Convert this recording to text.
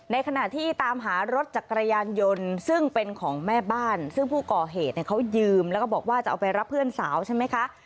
ในขณะที่ตามหารถจักรยานยนต์ซึ่งเป็นของแม่บ้านซึ่งผู้ก่อเหตุเนี่ยเขายืมแล้วก็บอกว่าจะเอาไปรับเพื่อนสาวใช่ไหมคะ